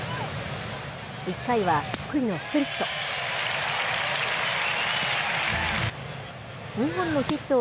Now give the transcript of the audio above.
１回は得意のスプリット。